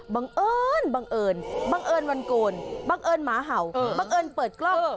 บังเอิญบังเอิญบังเอิญวันโกนบังเอิญหมาเห่าบังเอิญเปิดกล้อง